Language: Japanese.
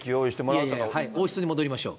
王室に戻りましょう。